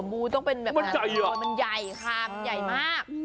มันต้องเป็นตรงสมบูรณ์มันใหญ่ค่ะมันใหญ่มาก